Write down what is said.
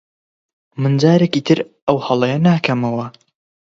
من جارێکی تر ئەو هەڵەیە ناکەمەوە.